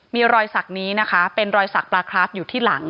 มีรอยสักนี้นะคะเป็นรอยสักปลาคราฟอยู่ที่หลัง